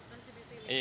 masih di sini